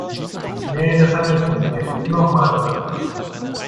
Nee, das hat nicht funktioniert. Nochmal bitte.